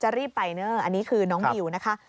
รีบไปเนอร์อันนี้คือน้องบิวนะคะ